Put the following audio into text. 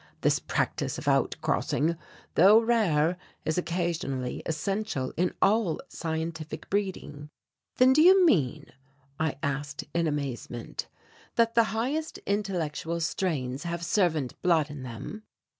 This practice of out crossing, though rare, is occasionally essential in all scientific breeding." "Then do you mean," I asked in amazement, "that the highest intellectual strains have servant blood in them?"